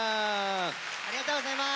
ありがとうございます。